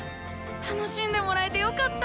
楽しんでもらえてよかった。